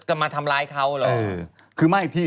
บอกว่าในรถกำลังมาทำร้ายเขาหรอ